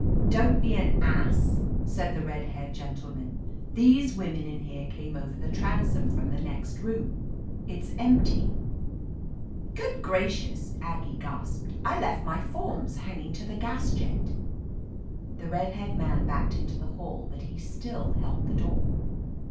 'Don't be an ass," said the red haired gen 267 <r THE AMAZING ADVENTURES tleman. "These women in here came over the transom from the next room. It's empty." "Good gracious !" Aggie gasped. "I left my forms hanging to the gas jet !" The red haired man backed into the hall, but he still held the door.